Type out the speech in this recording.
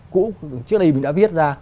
cũ trước đây mình đã viết ra